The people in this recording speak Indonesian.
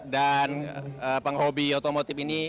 dan penghobi otomotif ini